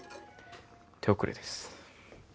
手遅れです。